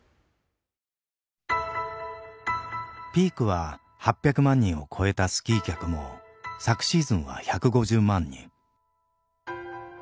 ピークは８００万人を超えたスキー客も昨シーズンは１５０万人。